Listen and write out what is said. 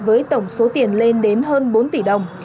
với tổng số tiền lên đến hơn bốn tỷ đồng